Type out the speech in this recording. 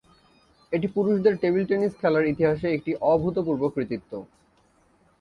এটি পুরুষদের table tennis খেলার ইতিহাসে একটি অভূতপূর্ব কৃতিত্ব।